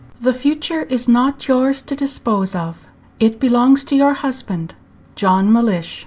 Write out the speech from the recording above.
The future is not yours to dispose of; it belongs to your husband, John Mellish."